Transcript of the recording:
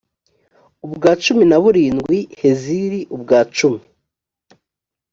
ubwa cumi na burindwi heziri ubwa cumi